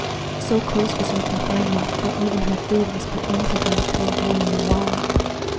So close was her confinement that even her food was put in to her through a hole in the wall.